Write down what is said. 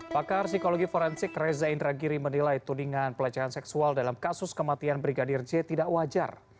pakar psikologi forensik reza indragiri menilai tudingan pelecehan seksual dalam kasus kematian brigadir j tidak wajar